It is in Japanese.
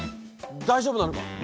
大丈夫なのか？